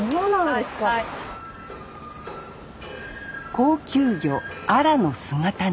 高級魚アラの姿煮。